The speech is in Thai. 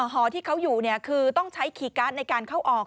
หอที่เขาอยู่คือต้องใช้คีย์การ์ดในการเข้าออก